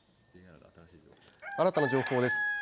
新たな情報です。